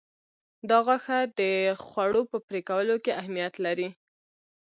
دا غاښه د خوړو په پرې کولو کې اهمیت لري.